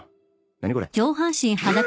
何これ？